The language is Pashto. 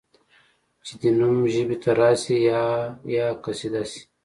چي دي نوم ژبي ته راسي یا یا قصیده سي